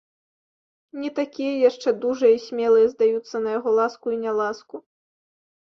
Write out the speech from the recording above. Не такія яшчэ дужыя і смелыя здаюцца на яго ласку і няласку.